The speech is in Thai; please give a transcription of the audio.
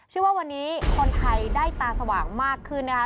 ชื่อว่าวันนี้คนไทยได้ตาสว่างมากขึ้นนะคะ